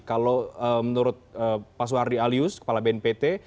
kalau menurut pak suhardi alyus kepala bnpt